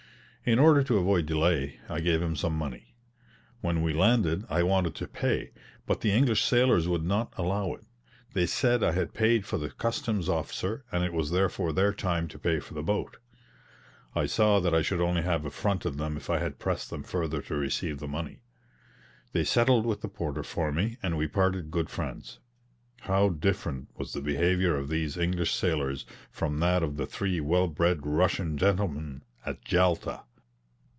In order to avoid delay I gave him some money. When we landed I wanted to pay, but the English sailors would not allow it; they said I had paid for the customs' officer, and it was therefore their time to pay for the boat. I saw that I should only have affronted them if I had pressed them further to receive the money. They settled with the porter for me, and we parted good friends. How different was the behaviour of these English sailors from that of the three well bred Russian gentlemen at Jalta!